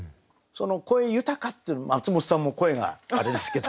その「声豊か」っていうの松本さんも声があれですけど。